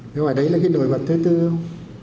thế ngoài đấy là cái nổi bật thứ tư không